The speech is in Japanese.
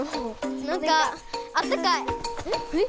なんかあったかい。え？